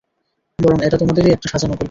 বরং এটা তোমাদেরই একটা সাজান গল্প।